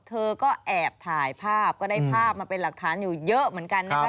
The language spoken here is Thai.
เธอก็แอบถ่ายภาพก็ได้ภาพมาเป็นหลักฐานอยู่เยอะเหมือนกันนะคะ